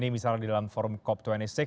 misalnya di dalam forum cop dua puluh enam